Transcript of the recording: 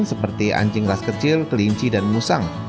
seperti anjing ras kecil kelinci dan musang